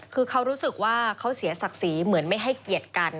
คือเขารู้สึกว่าเขาเสียศักดิ์ศรีเหมือนไม่ให้เกียรติกัน